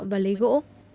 và lấy gỗ